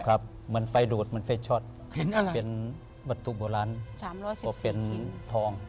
ครับเหมือนไฟดูดเหมือนไฟช็อตเป็นบัตรุโบราณเป็นทอง